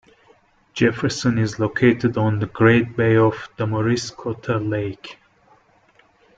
Jefferson is located on the Great Bay of Damariscotta Lake.